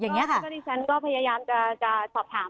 เกิดดีฉันก็พยายามจะสอบถาม